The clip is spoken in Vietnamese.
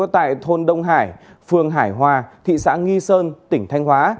tại thôn đông hải phường hải hòa thị xã nghi sơn tỉnh thanh hóa